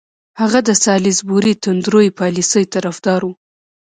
هغه د سالیزبوري توندروي پالیسۍ طرفدار وو.